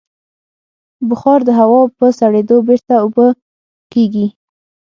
بخار د هوا په سړېدو بېرته اوبه کېږي.